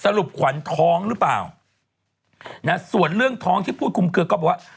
ขวัญท้องหรือเปล่านะส่วนเรื่องท้องที่พูดคุมเคลือก็บอกว่า